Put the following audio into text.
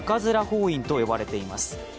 法印と呼ばれています。